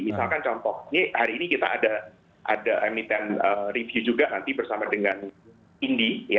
misalkan contohnya hari ini kita ada emiten review juga nanti bersama dengan indi